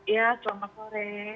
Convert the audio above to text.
ya selamat sore